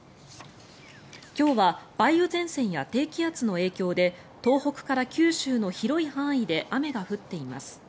今日は梅雨前線や低気圧の影響で東北から九州の広い範囲で雨が降っています。